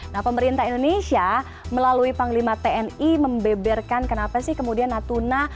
nah pemerintah indonesia melalui panglima tni membeberkan kenapa sih kemudian natuna